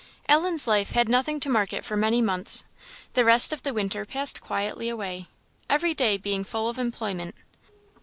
Ellen's life had nothing to mark it for many months. The rest of the winter passed quietly away, every day being full of employment.